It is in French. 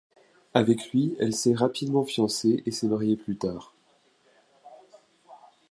Avec lui, elle s'est rapidement fiancée et s'est mariée plus tard.